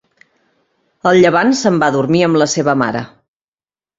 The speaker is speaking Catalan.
El llevant se'n va a dormir amb la seva mare.